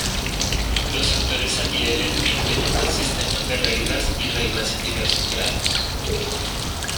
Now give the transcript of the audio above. Los actores se adhieren e implementan sistemas de reglas y reglas en diversos grados.